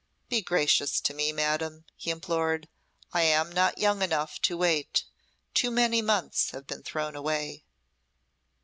"Be gracious to me, madam," he implored. "I am not young enough to wait. Too many months have been thrown away."